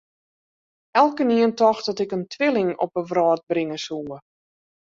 Elkenien tocht dat ik in twilling op 'e wrâld bringe soe.